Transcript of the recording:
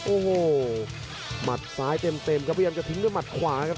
โอ้โหหมัดซ้ายเต็มครับพยายามจะทิ้งด้วยหมัดขวาครับ